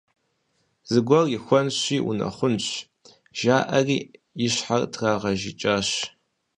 «Зыгуэр ихуэнщи унэхъунщ», – жаӏэри, и щхьэр трагъэжыкӏащ.